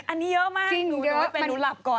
อันนี้เยอะมากหนูน้อยเป็นหนูหลับก่อน